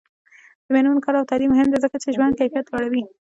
د میرمنو کار او تعلیم مهم دی ځکه چې ژوند کیفیت لوړوي.